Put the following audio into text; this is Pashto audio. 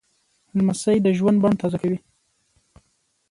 لمسی د ژوند بڼ تازه کوي.